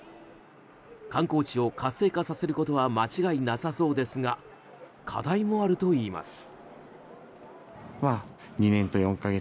観光地を活性化させることは間違いなさそうですが課題もあるといいます。